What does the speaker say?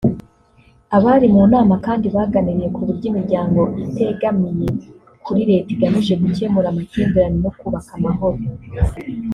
Abari mu nama kandi baganiriye ku buryo imiryango itegamiye kuri Leta igamije gukemura amakimbirane no kubaka amahoro